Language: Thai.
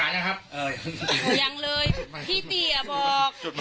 อะไรเกี่ยวเกี่ยวจ้าให้น้ำโชค